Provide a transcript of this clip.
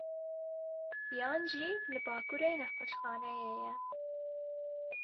Yan jî li bakurê nexweşxaneyê ye.